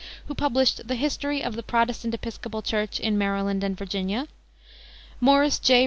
Hawks (1798 1866), who published the History of the Protestant Episcopal Church in Maryland and Virginia; Morris J.